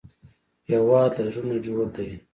هېواد له زړونو جوړ دی